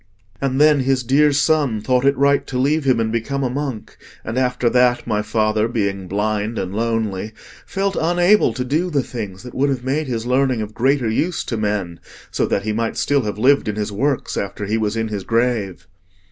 And then his dear son thought it right to leave him and become a monk; and after that, my father, being blind and lonely, felt unable to do the things that would have made his learning of greater use to men, so that he might still have lived in his works after he was in his grave."